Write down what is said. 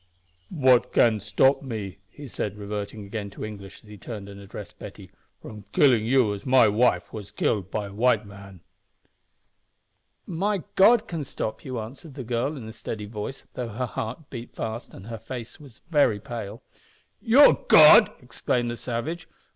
"What can stop me," he said, reverting again to English as he turned and addressed Betty, "from killing you as my wife was killed by white man?" "My God can stop you," answered the girl, in a steady voice, though her heart beat fast and her face was very pale. "Your God!" exclaimed the savage.